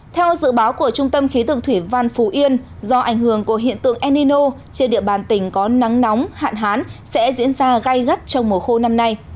theo dự báo của trung tâm khí tượng thủy văn phú yên do ảnh hưởng của hiện tượng enino trên địa bàn tỉnh có nắng nóng hạn hán sẽ diễn ra gai gắt trong mùa khô năm nay